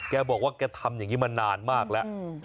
แกบอกว่าแกทำอย่างนี้มานานมากแล้ว